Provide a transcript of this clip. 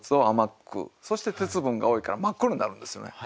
そして鉄分が多いから真っ黒になるんですよね。